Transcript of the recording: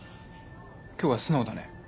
今日は素直だね。